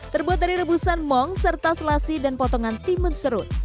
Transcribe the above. terbuat dari rebusan mong serta selasi dan potongan timun serut